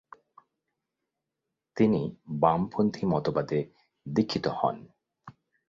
তিনি বামপন্থী মতবাদে দীক্ষিত হন।